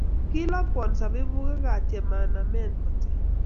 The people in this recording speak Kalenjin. kilokwon zabibuk ak atyem anamen kotee